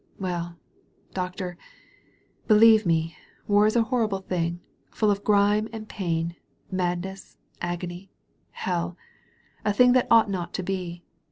Well, Doctor, believe me, war is a horrible thing, full of grime and pain, madness, agony, hell — ^a thing that ought not to be.